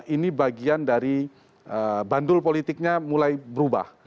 ini bagian dari bandul politiknya mulai berubah